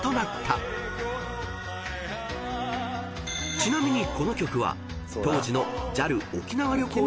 ［ちなみにこの曲は当時の］